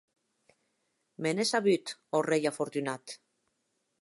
Me n’è sabut, ò rei afortunat!